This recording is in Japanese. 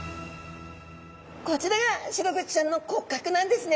こちらがシログチちゃんの骨格なんですね。